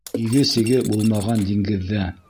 Иге-сиге булмаған диңгеҙҙә!